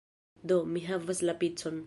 Do, mi havas la picon